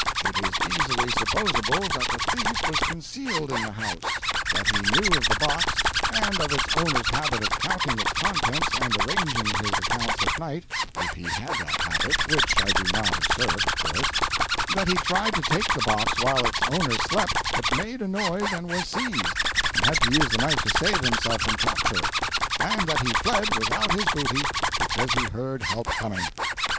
It is easily supposable that the thief was concealed in the house; that he knew of this box, and of its owner's habit of counting its contents and arranging his accounts at night if he had that habit, which I do not assert, of course; that he tried to take the box while its owner slept, but made a noise and was seized, and had to use the knife to save himself from capture; and that he fled without his booty because he heard help coming.